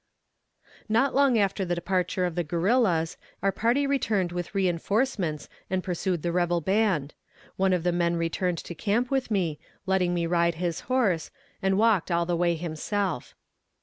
Page 295.] Not long after the departure of the guerrillas, our party returned with reinforcements and pursued the rebel band. One of the men returned to camp with me, letting me ride his horse, and walked all the way himself.